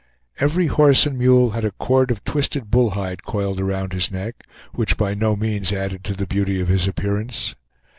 Every horse and mule had a cord of twisted bull hide coiled around his neck, which by no means added to the beauty of his appearance.